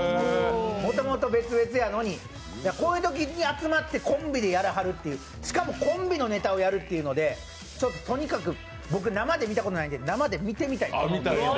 もともと別々やのに、こういうときに集まってコンビでやらはるっていう、しかもコンビのネタをやらはるっていうのでとにかく僕、生で見たことないけん生で見てみたい。